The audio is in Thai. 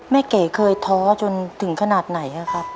เก๋เคยท้อจนถึงขนาดไหนครับ